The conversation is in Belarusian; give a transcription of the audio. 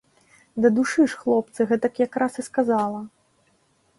Дадушы ж, хлопцы, гэтак якраз і сказала.